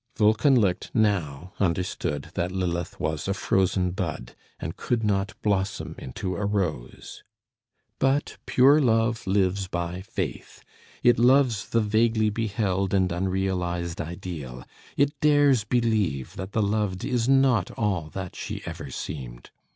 Wolkenlicht now understood that Lilith was a frozen bud, and could not blossom into a rose. But pure love lives by faith. It loves the vaguely beheld and unrealised ideal. It dares believe that the loved is not all that she ever seemed.